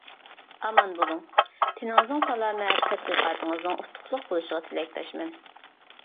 ئامان بولۇڭ، تېنىڭىزنىڭ سالامەت، تەتقىقاتىڭىزنىڭ ئۇتۇقلۇق بولۇشىغا تىلەكداشمەن.